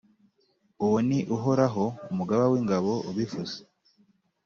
Uwo ni Uhoraho, Umugaba w’ingabo, ubivuze.